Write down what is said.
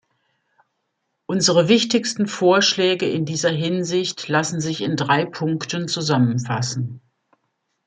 Unsere wichtigsten Vorschläge in dieser Hinsicht lassen sich in drei Punkten zusammenfassen.